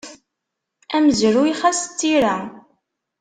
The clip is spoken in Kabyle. Amezruy xas d tira.